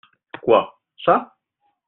Quoi ?- Ça.